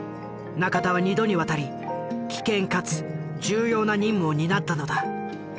仲田は２度にわたり危険かつ重要な任務を担ったのだ。